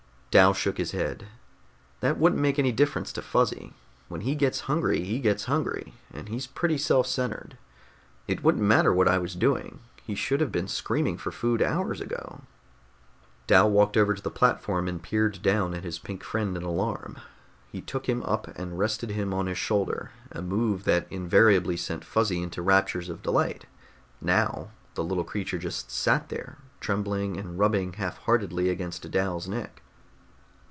Dal shook his head. "That wouldn't make any difference to Fuzzy. When he gets hungry, he gets hungry, and he's pretty self centered. It wouldn't matter what I was doing, he should have been screaming for food hours ago." Dal walked over to the platform and peered down at his pink friend in alarm. He took him up and rested him on his shoulder, a move that invariably sent Fuzzy into raptures of delight. Now the little creature just sat there, trembling and rubbing half heartedly against Dal's neck.